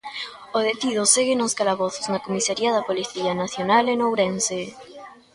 O detido segue nos calabozos na comisaría da Policía Nacional en Ourense.